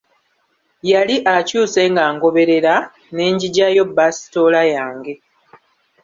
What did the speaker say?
Yali akyuse ng'angoberera, ne njigyayo basitoola yange.